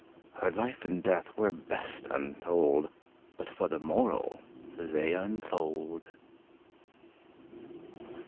Her life and death were best untold, But for the moral they unfold!